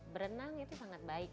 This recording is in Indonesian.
berenang itu sangat baik